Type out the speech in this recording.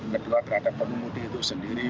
kedua terhadap pengguna mudik itu sendiri